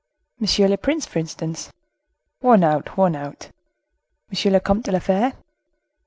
"M. le Prince, for instance." "Worn out! worn out!" "M. le Comte de la Fere?"